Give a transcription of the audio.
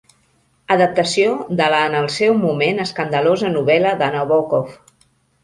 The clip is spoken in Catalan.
Adaptació de la en el seu moment escandalosa novel·la de Nabókov.